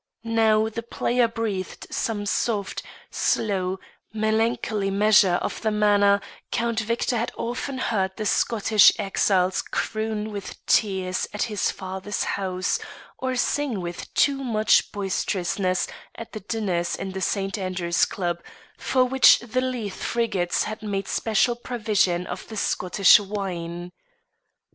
Now the player breathed some soft, slow, melancholy measure of the manner Count Victor had often heard the Scottish exiles croon with tears at his father's house, or sing with too much boisterousness at the dinners of the St. Andrew's Club, for which the Leith frigates had made special provision of the Scottish wine.